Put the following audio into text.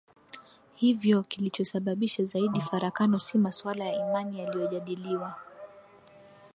Hivyo kilichosababisha zaidi farakano si masuala ya imani yaliyojadiliwa